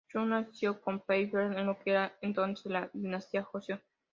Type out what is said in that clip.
Chu nació en Pyongyang en lo que era entonces la Dinastía Joseon.